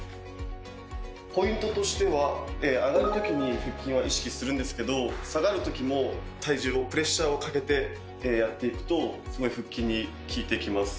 ポイントとしては上がるときに腹筋は意識するんですけど下がるときも体重プレッシャーをかけてやっていくとすごい腹筋に効いてきます。